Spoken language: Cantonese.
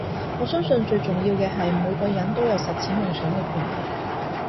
我相信最重要嘅係每個人都有實踐夢想嘅權利